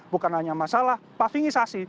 bukan hanya masalah pavingisasi